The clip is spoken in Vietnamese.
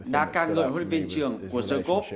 đã ca ngợi huấn luyện viên trường của sở cốp